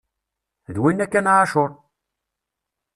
D winna kan a Ɛacur!